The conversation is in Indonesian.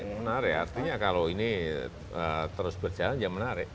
ya menarik artinya kalau ini terus berjalan ya menarik